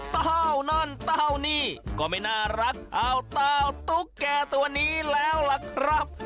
เต้านั่นเต้านี่ก็ไม่น่ารักอ้าวเต้าตุ๊กแก่ตัวนี้แล้วล่ะครับ